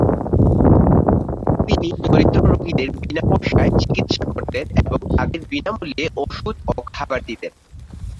তিনি দরিদ্র রোগীদের বিনা পয়সায় চিকিৎসা করতেন এবং তাদের বিনামূল্যে ওষুধ ও খাবার দিতেন।